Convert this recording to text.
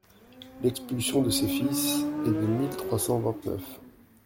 L'expulsion de ses fils est de mille trois cent vingt-neuf.